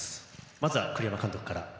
まずは栗山監督から。